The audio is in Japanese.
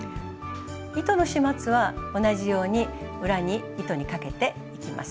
糸の始末は同じように裏に糸にかけていきます。